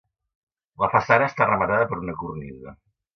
La façana està rematada per una cornisa.